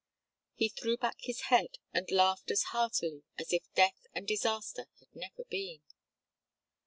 He threw back his head and laughed as heartily as if death and disaster had never been.